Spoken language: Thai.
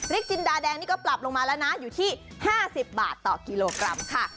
จินดาแดงนี่ก็ปรับลงมาแล้วนะอยู่ที่๕๐บาทต่อกิโลกรัมค่ะ